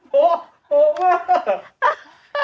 โฮโฮมาก